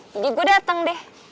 jadi gua dateng deh